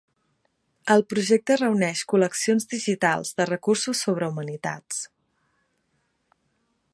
El projecte reuneix col·leccions digitals de recursos sobre humanitats.